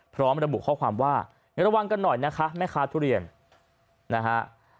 พร้อมระบุข้อความว่าระวังกันหน่อยนะคะแม่ค้าทุเรียนนะฮะ